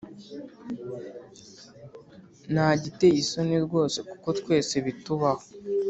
Ntagiteye isoni rwose kuko twese bitubaho